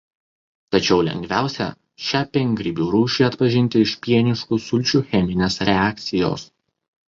Tačiau lengviausia šią piengrybių rūšį atpažinti iš pieniškų sulčių cheminės reakcijos.